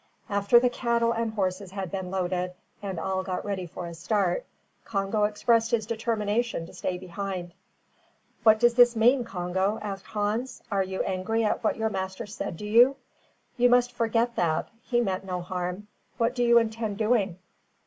After the cattle and horses had been loaded, and all got ready for a start, Congo expressed his determination to stay behind. "What does this mean, Congo?" asked Hans. "Are you angry at what your master said to you? You must forget that. He meant no harm. What do you intend doing?"